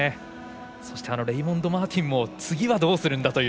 レイモンド・マーティンも次はどうするんだという。